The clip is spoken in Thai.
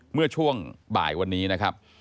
เมื่อช่วงบ่ายวันนี้นะครับ